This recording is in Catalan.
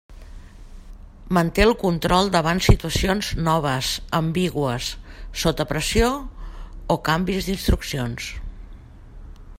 Manté el control davant situacions noves, ambigües, sota pressió o canvis d'instruccions.